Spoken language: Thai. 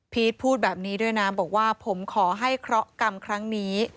พูดแบบนี้ด้วยนะบอกว่าผมขอให้เคราะหกรรมครั้งนี้